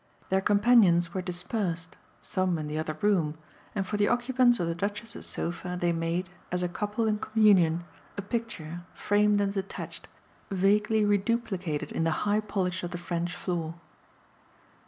Their companions were dispersed, some in the other room, and for the occupants of the Duchess's sofa they made, as a couple in communion, a picture, framed and detached, vaguely reduplicated in the high polish of the French floor.